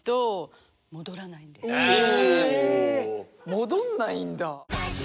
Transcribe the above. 戻んないんだ。